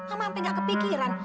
ampik nggak kepikiran